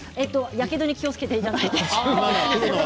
やけどに気をつけてください。